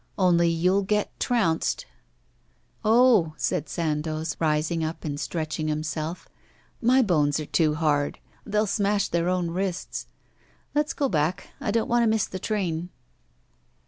Only you'll get trounced.' 'Oh,' said Sandoz, rising up and stretching himself, 'my bones are too hard. They'll smash their own wrists. Let's go back; I don't want to miss the train.